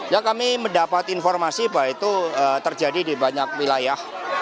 ya kami mendapat informasi bahwa itu terjadi di banyak wilayah